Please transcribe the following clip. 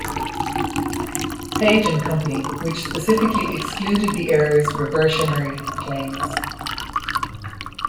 Page and Company which specifically excluded the heirs' reversionary claims.